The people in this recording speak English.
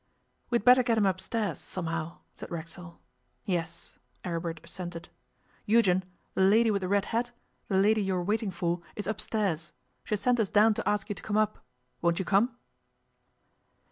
'We had better get him upstairs, somehow,' said Racksole. 'Yes,' Aribert assented. 'Eugen, the lady with the red hat, the lady you are waiting for, is upstairs. She has sent us down to ask you to come up. Won't you come?